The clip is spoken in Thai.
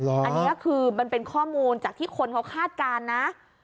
อันนี้คือมันเป็นข้อมูลจากที่คนเขาคาดการณ์นะ